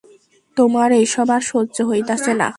তোমার এইসব আর সহ্য হইতাসে না।